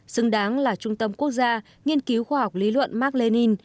xứng đáng là trung tâm quốc gia nghiên cứu khoa học lý luận mark lenin